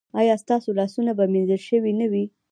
ایا ستاسو لاسونه به مینځل شوي نه وي؟